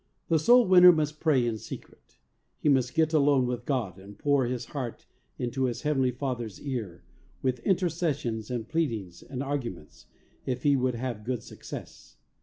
The soul winner must pray in secret; he must get alone with God and pour his heart into his Heavenly Father's ear with inter cessions and pleadings and arguments, if he would have good success.